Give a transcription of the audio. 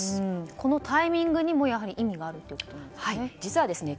このタイミングにも意味があるということですかね。